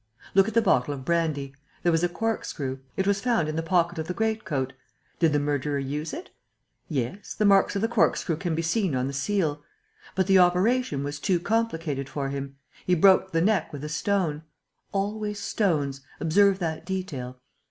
"Look at the bottle of brandy. There was a corkscrew: it was found in the pocket of the great coat. Did the murderer use it? Yes, the marks of the corkscrew can be seen on the seal. But the operation was too complicated for him. He broke the neck with a stone. Always stones: observe that detail.